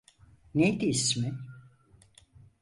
Neydi ismi?